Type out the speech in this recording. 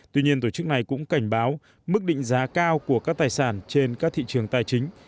tuy nhiên tổ chức này cũng cảnh báo mức định giá cao của các tài sản trên các thị trường tài chính